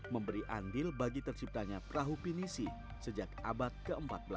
memberi andil bagi terciptanya perahu pinisi sejak abad ke empat belas